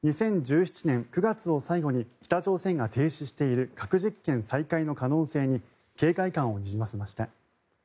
２０１７年９月を最後に北朝鮮が停止している核実験再開の可能性に警戒感をにじませました。